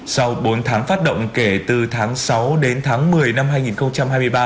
sau bốn tháng phát động kể từ tháng sáu đến tháng một mươi năm hai nghìn hai mươi ba